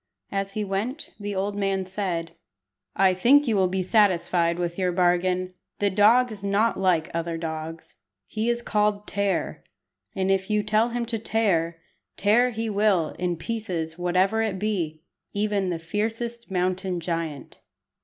As he went, the old man said "I think you will be satisfied with your bargain. The dog is not like other dogs. He is called Tear, and if you tell him to tear, tear he will in pieces whatever it be, even the fiercest mountain giant."